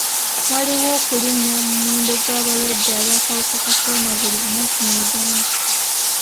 Waliwo okulinnya mu muwendo gw'abalwadde b'akawuka ka kolona buli lunaku mu Uganda.